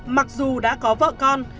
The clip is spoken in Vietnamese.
mặc dù đã có vợ con